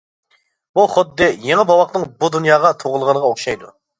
بۇ خۇددى يېڭى بوۋاقنىڭ بۇ دۇنياغا تۇغۇلغىنىغا ئوخشايدۇ.